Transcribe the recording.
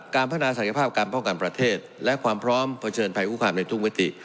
การพัฒนาศักยภาพการป้องกันประเทศและความพร้อมเผชิญภัยคุกคามในทุกมิติ